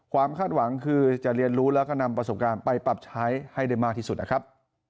คาดหวังคือจะเรียนรู้แล้วก็นำประสบการณ์ไปปรับใช้ให้ได้มากที่สุดนะครับ